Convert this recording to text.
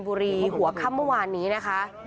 บุรีหัวข้ำเมื่อวานนี้นะคะ